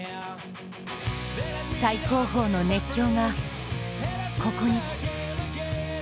最高峰の熱狂が、ここに。